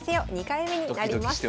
２回目になります。